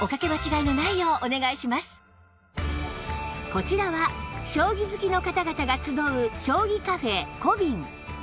こちらは将棋好きの方々が集う将棋カフェ ＣＯＢＩＮ